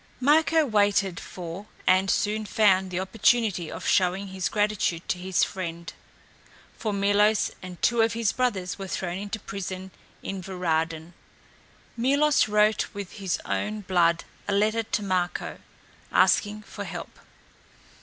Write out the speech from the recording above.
Marko waited for and soon found the opportunity of showing his gratitude to his friend, for Milos and two of his brothers were thrown into prison in Varadin. Milos wrote with his own blood a letter to Marko, asking for help.